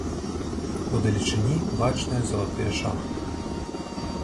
Удалечыні бачныя залатыя шахты.